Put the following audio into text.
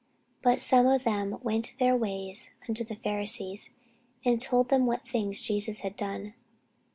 But some of them went their ways to the Pharisees, and told them what things Jesus had done.